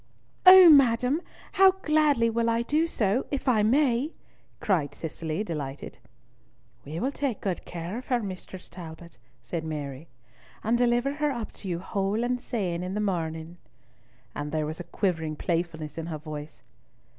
"Oh, madam, how gladly will I do so if I may!" cried Cicely, delighted. "We will take good care of her, Mistress Talbot," said Mary, "and deliver her up to you whole and sain in the morning," and there was a quivering playfulness in her voice.